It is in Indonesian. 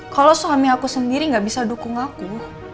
kalau suami aku sendiri gak bisa dukung aku